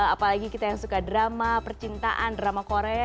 apalagi kita yang suka drama percintaan drama korea